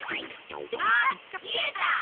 あっひえた。